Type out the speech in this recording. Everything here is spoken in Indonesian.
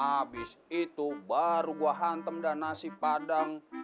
abis itu baru gue hantem dan nasi padang